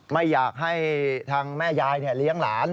ไม่อยากให้ทางแม่ยายเลี้ยงหลาน